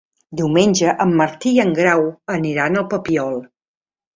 Diumenge en Martí i en Grau aniran al Papiol.